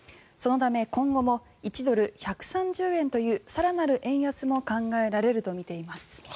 そのため今後も１ドル＝１３０円という更なる円安も考えられるとみています。